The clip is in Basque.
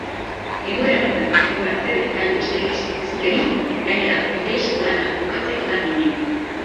Egoera honetan denbora alferrik galdu besterik ez dut egingo, gainera ingeleseko lana bukatzekotan ginen.